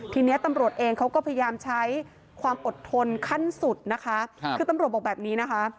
ทีนี้ตำรวจเองเขาก็พยายามใช้ความอดทนขั้นสุดนะคะคือตำรวจบอกแบบนี้นะคะ